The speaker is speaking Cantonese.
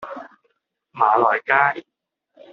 馬來街